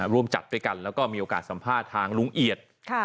ร่วมจัดด้วยกันแล้วก็มีโอกาสสัมภาษณ์ทางลุงเอียด